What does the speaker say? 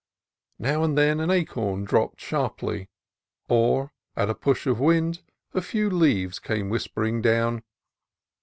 Now and then an acorn dropped sharply, or at a push of wind a few leaves came whispering down.